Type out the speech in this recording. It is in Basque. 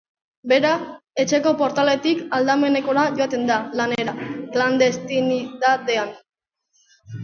Bera, etxeko portaletik aldamenekora joaten da lanera, klandestinidadean.